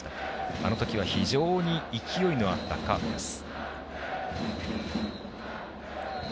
あの時は非常に勢いのあったカープです。